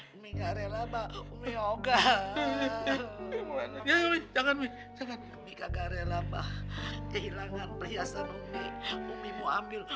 di karela bakmi yoga jangan jangan karela bah hilangkan perhiasan umi umi mau ambil